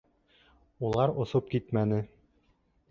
Улар осоп китмәне.